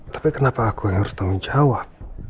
tapi kenapa aku harus tanggung jawab